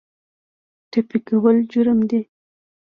ټپي کول جرم دی.